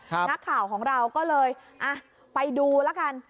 นักข่าวของเราก็เลยอ่ะไปดูแล้วกัน